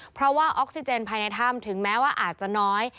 เพราะว่าออกซิเจนภายในถ้ำถึงแม้ว่าอาจจะน้อย